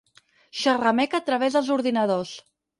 Xerrameca a través dels ordinadors.